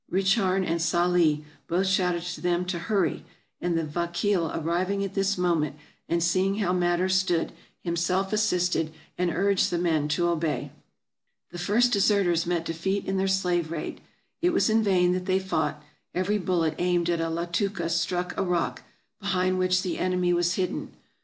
Richarn and Sali both shouted to them to " hurry "; and the vakeel arriving at this moment and seeing how matters stood, him self assisted, and urged the men to obey. The first deserters met defeat in their slave raid. It was in vain that they fought ; every bullet aimed at a Latooka struck a rock, behind which the enemy was hidden.